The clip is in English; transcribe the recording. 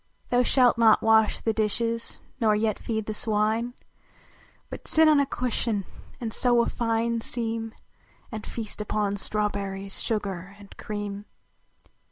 Thou slialt not wash the dishes, nor yet feed the swine, But sit on a cushion and sew a fine seam, And feast upon strawberries, sugar and cream.